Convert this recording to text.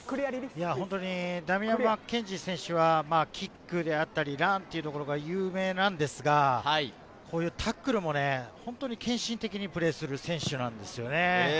ダミアン・マッケンジー選手はキックであったり、ランというところが有名なんですが、こういうタックルも本当に献身的にプレーする選手なんですよね。